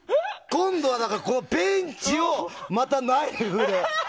今度はペンチをナイフで。